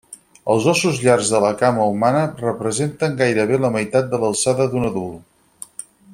Els ossos llargs de la cama humana representen gairebé la meitat de l'alçada d'un adult.